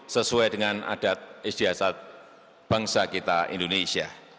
sesuai dengan adat istiasat bangsa kita indonesia